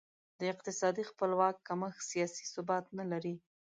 د اقتصادي خپلواکي کمښت سیاسي ثبات نه لري.